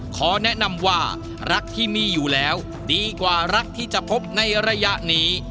ขอแนะนำว่ารักที่มีอยู่แล้วดีกว่ารักที่จะพบในระยะนี้